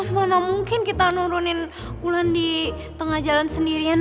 mana mungkin kita nurunin bulan di tengah jalan sendirian